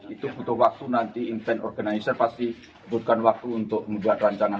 itu butuh waktu nanti inven organizer pasti butuhkan waktu untuk membuat rancangan